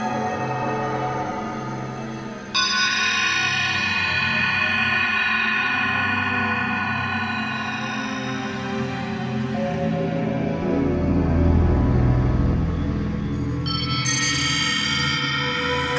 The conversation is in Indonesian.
teknik mediter pamit